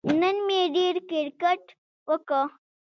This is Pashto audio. نن مې ډېر کیرکټ وکه